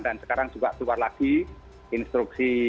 dan sekarang juga keluar lagi instruksi